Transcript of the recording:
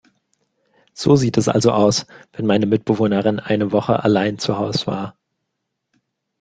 So sieht es also aus, wenn meine Mitbewohnerin eine Woche allein zu Haus war.